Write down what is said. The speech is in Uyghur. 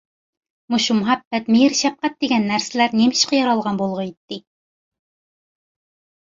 مۇشۇ مۇھەببەت، مېھىر-شەپقەت دېگەن نەرسىلەر نېمىشقا يارالغان بولغىيدى.